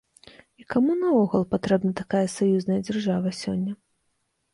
І каму наогул патрэбна такая саюзная дзяржава сёння?